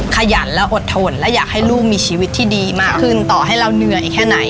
ขยันและอดทนและอยากให้ลูกมีชีวิตที่ดีมากขึ้นต่อให้เราเหนื่อยแค่ไหน